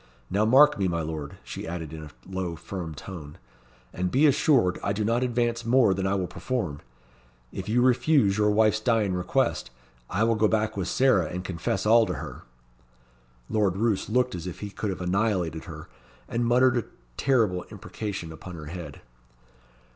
"Now, mark me, my Lord," she added in a low, firm tone, "and be assured I do not advance more than I will perform. If you refuse your wife's dying request, I will go back with Sarah and confess all to her." Lord Roos looked as if he could have annihilated her, and muttered a terrible imprecation on her head.